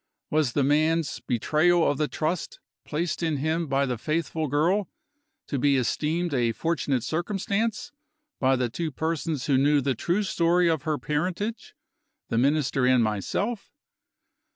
Was the man's betrayal of the trust placed in him by the faithful girl to be esteemed a fortunate circumstance by the two persons who knew the true story of her parentage, the Minister and myself?